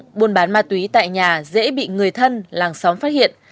khi sử dụng buôn bán ma túy tại nhà dễ bị người thân làng xóm phát hiện